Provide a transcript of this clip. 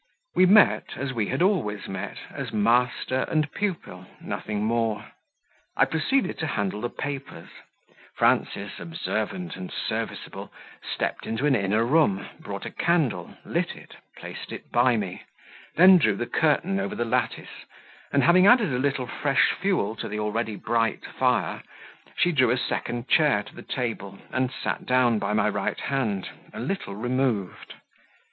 We met as we had always met, as master and pupil nothing more. I proceeded to handle the papers; Frances, observant and serviceable, stepped into an inner room, brought a candle, lit it, placed it by me; then drew the curtain over the lattice, and having added a little fresh fuel to the already bright fire, she drew a second chair to the table and sat down at my right hand, a little removed.